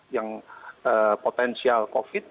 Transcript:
yang potensial covid